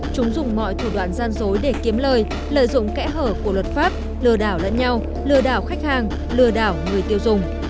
chúng dùng mọi thủ đoạn gian dối để kiếm lời lợi dụng kẽ hở của luật pháp lừa đảo lẫn nhau lừa đảo khách hàng lừa đảo người tiêu dùng